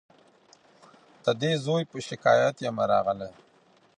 د دې زوی په شکایت یمه راغلې